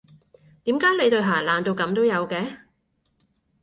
點解你對鞋爛到噉都有嘅？